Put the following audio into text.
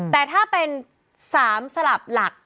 แต่ถ้าเป็น๓สลับหลัก